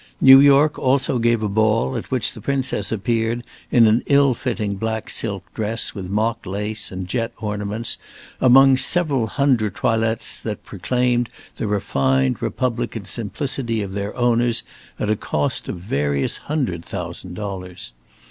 New York also gave a ball at which the Princess appeared in an ill fitting black silk dress with mock lace and jet ornaments, among several hundred toilets that proclaimed the refined republican simplicity of their owners at a cost of various hundred thousand dollars.